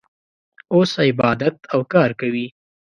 اوس عبادت او کار کوي.